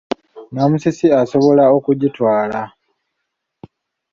Namusisi asobola okugitwala.